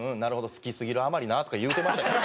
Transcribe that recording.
好きすぎるあまりな」とか言うてましたよ。